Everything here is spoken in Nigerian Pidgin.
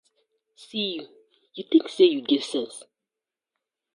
See yu, yu tink say yu get sence.